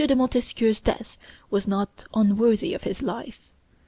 de Montesquieu's death was not unworthy of his life.